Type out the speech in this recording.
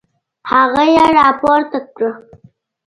هغه يې راپورته کړه.